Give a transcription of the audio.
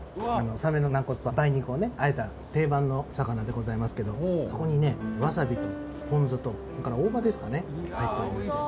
サメの軟骨と梅肉をあえた定番のさかなでございますけどそこにねわさびとポン酢とそれから大葉ですかね入ってるんです。